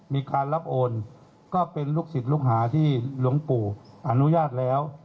มีการรับโอนก็เป็นลูกศิษย์ลูกหาที่หลวงปู่อนุญาตแล้ว